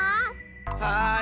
はい！